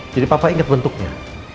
jadi papa ingat bentuknya